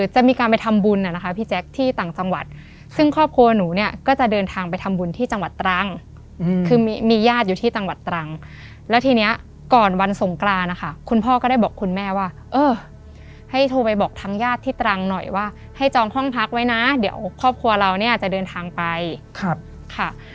จะมีการไปทำบุญนะคะพี่แจ๊คที่ต่างจังหวัดซึ่งครอบครัวหนูเนี่ยก็จะเดินทางไปทำบุญที่จังหวัดตรังคือมีญาติอยู่ที่จังหวัดตรังแล้วทีนี้ก่อนวันสงกรานนะคะคุณพ่อก็ได้บอกคุณแม่ว่าเออให้โทรไปบอกทางญาติที่ตรังหน่อยว่าให้จองห้องพักไว้นะเดี๋ยวครอบครัวเราเนี่ยจะเดินทางไปค่ะ